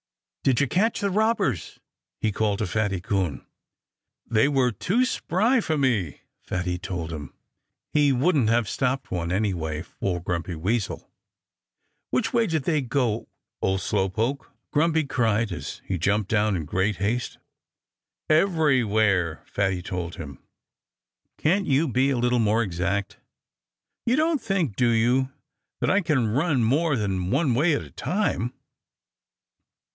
"Did you catch the robbers?" he called to Fatty Coon. "They were too spry for me," Fatty told him. He wouldn't have stopped one anyhow, for Grumpy Weasel. "Which way did they go, old Slow Poke?" Grumpy cried as he jumped down in great haste. "Everywhere!" Fatty told him. "Can't you be a little more exact? You don't think do you? that I can run more than one way at a time?"